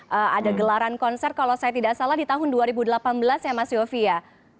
ada gelaran konser kalau saya tidak salah di tahun dua ribu delapan belas ya mas yofi ya